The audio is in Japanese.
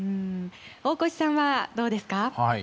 大越さんはどうですか？